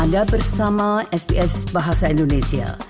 anda bersama sps bahasa indonesia